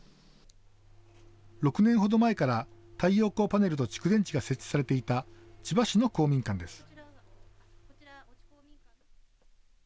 ６年ほど前から太陽光パネルと蓄電池が設置されていた千葉市の公民館です。